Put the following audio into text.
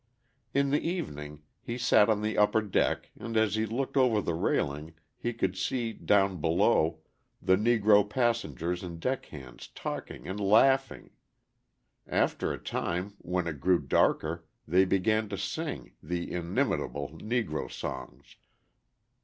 In the evening he sat on the upper deck and as he looked over the railing he could see, down below, the Negro passengers and deck hands talking and laughing. After a time, when it grew darker, they began to sing the inimitable Negro songs.